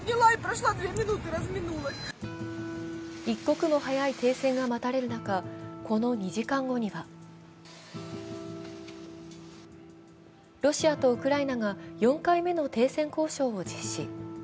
一刻も早い停戦が待たれる中、この２時間後にはロシアとウクライナが４回目の停戦交渉を実施。